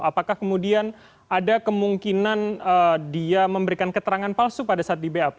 apakah kemudian ada kemungkinan dia memberikan keterangan palsu pada saat di bap